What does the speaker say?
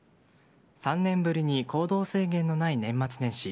３年ぶりに行動制限のない年末年始。